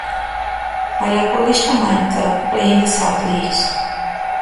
Ballachulish Camanachd Club play in the South Leagues.